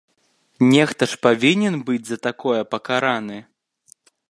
Нехта ж павінен быць за такое пакараны!